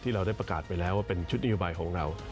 เราได้ประกาศไปแล้วว่าเป็นชุดนโยบายของเรา